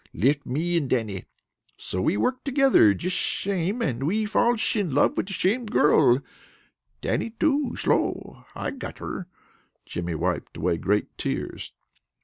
Left me and Dannie. So we work together jish shame, and we fallsh in love with the shame girl. Dannie too slow. I got her." Jimmy wiped away great tears.